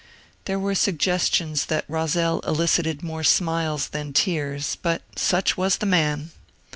There were suggestions that Roszel elicited more smiles than tears, but such was the man.